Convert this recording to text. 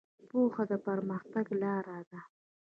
پوهه د پرمختګ لاره ده.